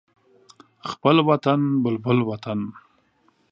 خپل وطن بلبل وطن